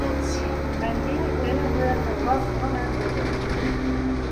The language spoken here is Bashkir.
Хәмдиә, иренең һүҙен тыңлап, уның менән бергә сыҡты.